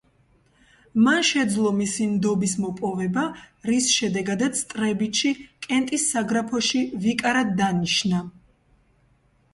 მან შეძლო მისი ნდობის მოპოვება, რის შედეგადაც ტრებიჩი კენტის საგრაფოში ვიკარად დანიშნა.